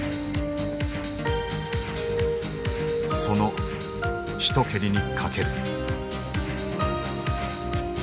その一蹴りにかける。